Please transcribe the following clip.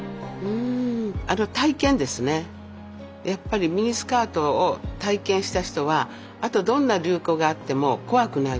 やっぱりミニスカートを体験した人はあとどんな流行があっても怖くないという。